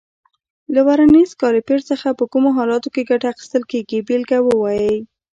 له ورنیز کالیپر څخه په کومو حالاتو کې ګټه اخیستل کېږي بېلګه ووایئ.